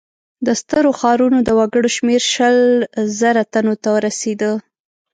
د سترو ښارونو د وګړو شمېر شل زره تنو ته رسېده.